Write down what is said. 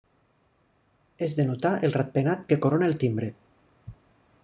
És de notar el ratpenat que corona el timbre.